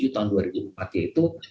tahun dua ribu empat yaitu